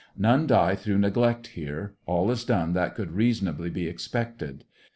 None die through neglect here; all is done that could reasonably be expected.